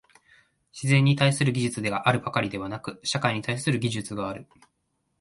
自然に対する技術があるばかりでなく、社会に対する技術がある。